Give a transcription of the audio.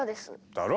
だろ？